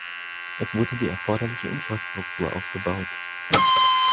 Es wurde die erforderliche Infrastruktur aufgebaut.